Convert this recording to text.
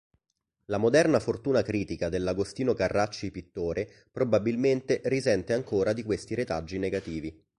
La moderna fortuna critica dell'Agostino Carracci pittore probabilmente risente ancora di questi retaggi negativi.